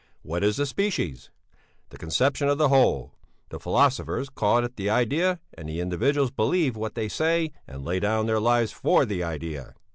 What is the species? The conception of the whole; the philosophers call it the idea and the individuals believe what they say and lay down their lives for the idea!